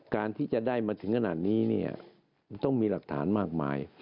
การที่จะได้มาถึงขนาดนี้เนี่ยมันต้องมีหลักฐานมากมาย